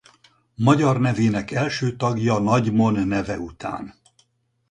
Magyar nevének első tagja Nagymon neve után.